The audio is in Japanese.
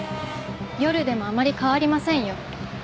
夜でもあまり変わりませんよ。